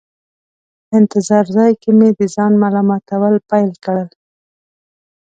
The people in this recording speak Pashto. انتظار ځای کې مې د ځان ملامتول پیل کړل.